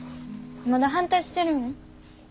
まだ反対してるん？